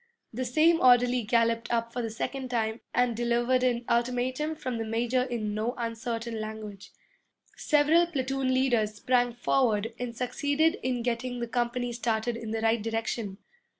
The same orderly galloped up for the second time and delivered an ultimatum from the major in no uncertain language. Several platoon leaders sprang forward and succeeded in getting the company started in the right direction.